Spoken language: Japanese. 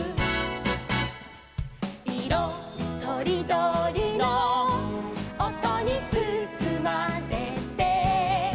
「いろとりどりのおとにつつまれて」